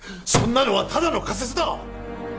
そんなのはただの仮説だ！